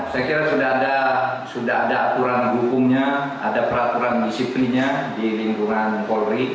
saya kira sudah ada aturan hukumnya ada peraturan disiplinnya di lingkungan polri